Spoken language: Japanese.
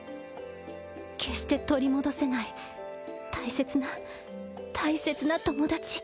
決して取り戻せない大切な大切な友達。